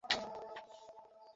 আমার তো সব বিষয় ভালো হয়েছে।